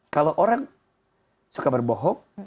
kalau orang suka berbohong